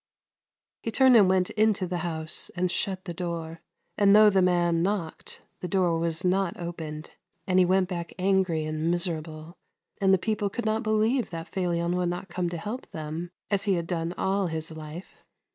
" He turned and went into the house and shut the door, and though the man knocked, the door was not opened, and he went back angry and miserable, and THERE WAS A LITTLE CITY 341 the people could not believe that Felion would not come to help them, as he had done all his life.